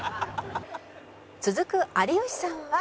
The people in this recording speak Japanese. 「続く有吉さんは」